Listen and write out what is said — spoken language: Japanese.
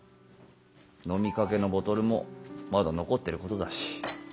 飲みかけのボトルもまだ残ってることだし。